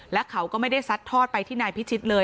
และเขาก็ไม่ได้ซัดทอดไปที่นายพิชิตเลย